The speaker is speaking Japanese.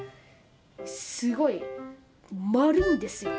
すごい丸いんですよ